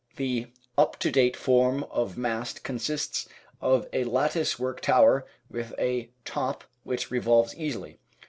The up to date form of mast consists of a lattice work tower with a top which revolves easily.